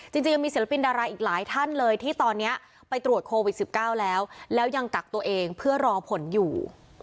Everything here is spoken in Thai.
จริงยังมีศิลปินดาราอีกหลายท่านเลยที่ตอนนี้ไปตรวจโควิด๑๙แล้วแล้วยังกักตัวเองเพื่อรอผลอยู่